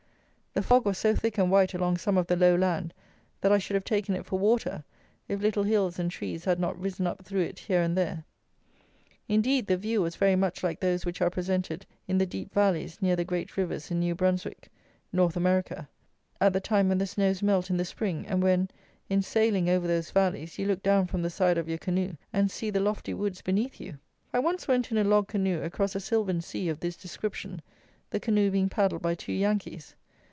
The fog was so thick and white along some of the low land, that I should have taken it for water, if little hills and trees had not risen up through it here and there. Indeed, the view was very much like those which are presented in the deep valleys, near the great rivers in New Brunswick (North America) at the time when the snows melt in the spring, and when, in sailing over those valleys, you look down from the side of your canoe and see the lofty woods beneath you! I once went in a log canoe across a sylvan sea of this description, the canoe being paddled by two Yankees.